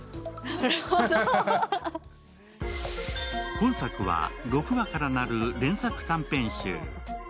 今作は６話からなる連作短編集。